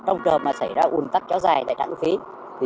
trong trường mà xảy ra ủn tắc kéo dài tại trạng thu phí